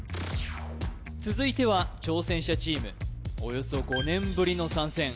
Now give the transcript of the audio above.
続いては挑戦者チームおよそ５年ぶりの参戦